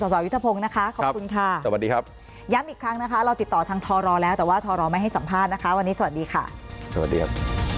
สวัสดีครับ